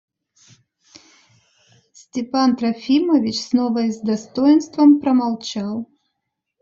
Степан Трофимович снова и с достоинством промолчал.